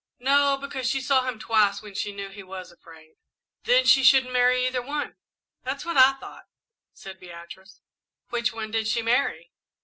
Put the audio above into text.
"No; because she saw him twice when she knew he was afraid." "Then she shouldn't marry either one." "That's what I thought," said Beatrice. "Which one did she marry?"